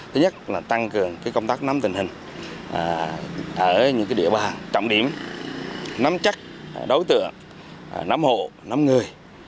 thứ nhất là tăng cường công tác nắm tình hình ở những địa bàn trọng điểm nắm chắc đối tượng nắm hộ nắm người